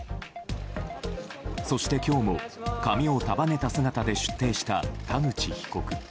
そして今日も髪を束ねた姿で出廷した田口被告。